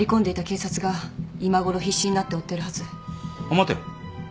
待て。